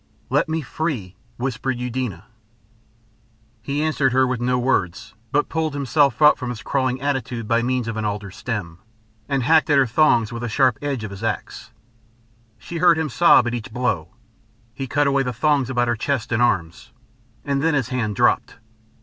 "Let me free," whispered Eudena.... He answered her no words but pulled himself up from his crawling attitude by means of the alder stem, and hacked at her thongs with the sharp edge of his axe. She heard him sob at each blow. He cut away the thongs about her chest and arms, and then his hand dropped.